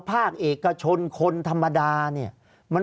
ภารกิจสรรค์ภารกิจสรรค์